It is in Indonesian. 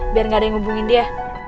biar gak ada yang hubungin dia